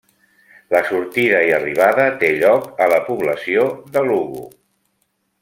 La sortida i arribada té lloc a la població de Lugo.